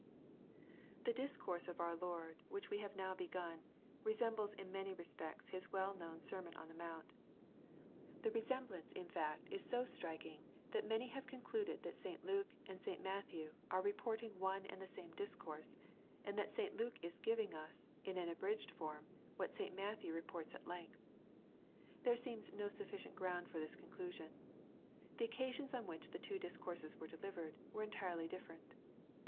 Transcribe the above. The discourse of our Lord, which we have now begun, resembles, in many respects, His well known Sermon on the Mount. The resemblance, in fact, is so striking that many have concluded that St. Luke and St. Matthew LUKE, CHAP. VI, 177 tre reporting one and the same discourse, and that St. Luke is giving us, in an abridged form, what St. Matthew reports at length* There seems no sujficient ground for this conclusion. The occasions on which the two dis courses were delivered, were entirely different.